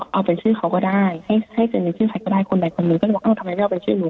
เอาเป็นชื่อเขาก็ได้ให้ให้ชื่อนี้ชื่อใครก็ได้คนไหนคนหนึ่งก็จะบอกอ้าวทำไมไม่เอาเป็นชื่อหนู